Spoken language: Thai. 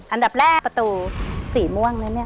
อันดับแรกประตูสีม่วงเลย